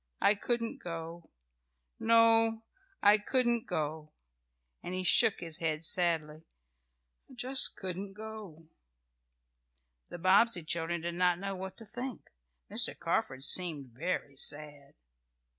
I couldn't go. No, I couldn't go," and he shook his head sadly. "I just couldn't go." The Bobbsey children did not know what to think. Mr. Carford seemed very sad.